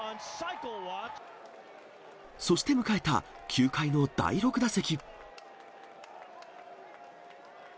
そして迎えた９回の第６打席。